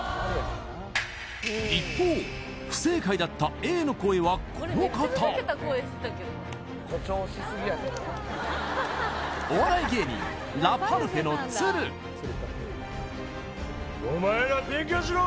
一方不正解だったＡの声はこの方お笑い芸人ラパルフェの都留お前ら勉強しろ！